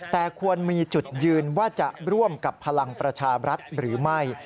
แต่ควรมีจุดยืนว่าจะร่วมกับพลังประชาบรัฐหรือไม่